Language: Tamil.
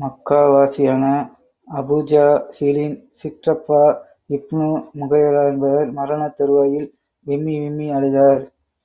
மக்காவாசியான அபூஜஹிலின் சிற்றப்பா இப்னு முகைறா என்பவர் மரணத் தறுவாயில், விம்மி விம்மி அழுதார்.